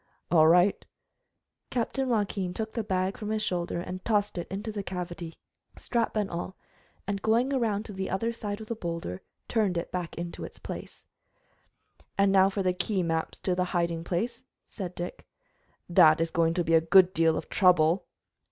"All right." Captain Joaquin took the bag from his shoulder and tossed it into the cavity, strap and all, and going around to the other side of the boulder, turned it back into place. "Now for the key maps to the hiding place," said Dick. "That is going to a good deal of trouble."